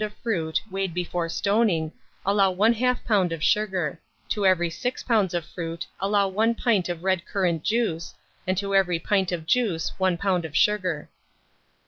of fruit, weighed before stoning, allow 1/2 lb. of sugar; to every 6 lbs. of fruit allow 1 pint of red currant juice, and to every pint of juice 1 lb. of sugar.